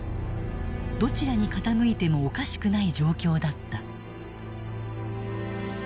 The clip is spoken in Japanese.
どちらに傾いてもおかしくない状況だった。